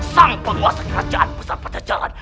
sang penguasa kerajaan pusat pajajaran